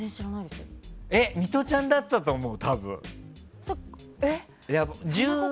ミトちゃんだったと思う、多分。